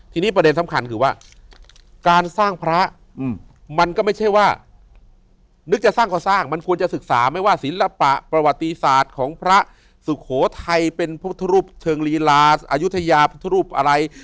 ทีนี้ประเด็นสำคัญคือว่าการสร้างพระมันก็ไม่ใช่ว่านึกจะสร้างก็สร้างมันควรจะศึกษาไม่ว่าศิลปะประวัติศาสตร์ของพระสุโขทัยเป็นพระพุทธรูปเชิงลีลาอายุทยาพุทธรูปอะไร